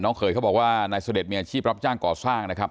เขยเขาบอกว่านายเสด็จมีอาชีพรับจ้างก่อสร้างนะครับ